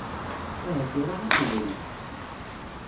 Ahat iraε-as ubrid.